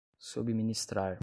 subministrar